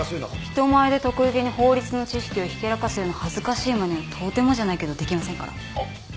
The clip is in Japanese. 人前で得意げに法律の知識をひけらかすような恥ずかしいまねはとてもじゃないけどできませんから。